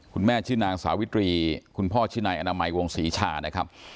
คุณแม่ชื่อนางสาวิตรีคุณพ่อชื่อนายอนามัยวงศรีชานะครับ